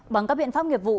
bằng các biện pháp nghiệp vụ